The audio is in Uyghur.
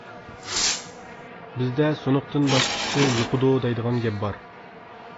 بىزدە «سۇنۇقتىن باشقىسى يۇقىدۇ» دەيدىغان گەپ بار.